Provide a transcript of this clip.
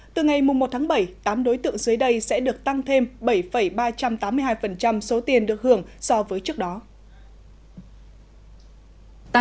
từ ngày một tháng bảy tám đối tượng dưới đây sẽ được tăng thêm bảy ba trăm tám mươi hai số tiền được hưởng so với trước đó